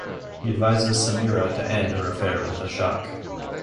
He advises Sameera to end her affair with Ashok.